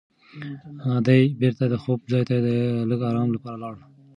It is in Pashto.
دی بېرته د خوب ځای ته د لږ ارام لپاره لاړ.